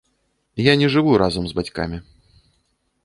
Я не жыву разам з бацькамі.